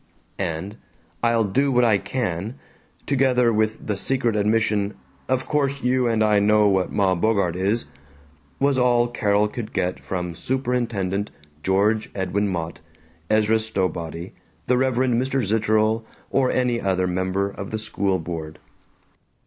And "I'll do what I can," together with the secret admission "Of course you and I know what Ma Bogart is," was all Carol could get from Superintendent George Edwin Mott, Ezra Stowbody, the Reverend Mr. Zitterel or any other member of the school board.